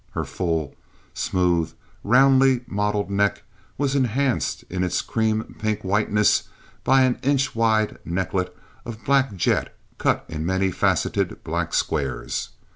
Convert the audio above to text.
Her full, smooth, roundly modeled neck was enhanced in its cream pink whiteness by an inch wide necklet of black jet cut in many faceted black squares.